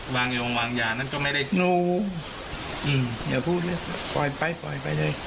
วางโยงวางยานั่นก็ไม่ได้นูอืมเดี๋ยวพูดเลยปล่อยไปปล่อยไปเลย